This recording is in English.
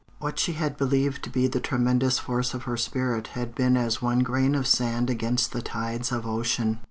What she had believed to be the tremendous force of her spirit had been as one grain of sand against the tides of ocean.